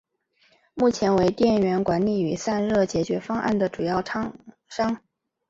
目前为电源管理与散热解决方案的主要厂商。